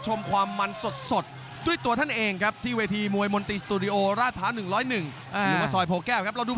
ไทยรัฐมวยไทยไฟเตอร์